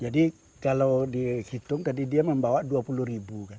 jadi kalau dihitung tadi dia membawa dua puluh ribu